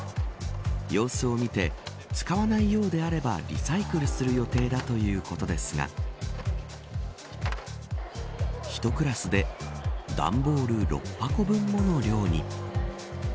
様子を見て使わないようであればリサイクルする予定だということですが１クラスで段ボール６箱分もの量に。